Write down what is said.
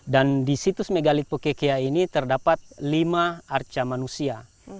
dan di situs megalitik pokekea ini terdapat lima arca manusia